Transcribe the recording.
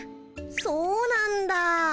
そうなんだ。